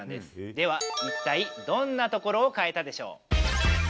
では、一体どんなところを変えたでしょう。